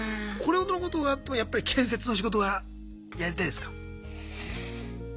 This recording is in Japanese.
これほどのことがあってもやっぱり建設の仕事がやりたいですか？